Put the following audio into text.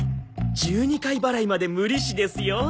１２回払いまで無利子ですよ。